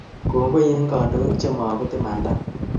Kongoi en kandoik che maput imanadaab